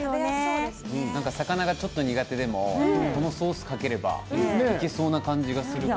魚がちょっと苦手でもこのソースをかければいけそうな気がする。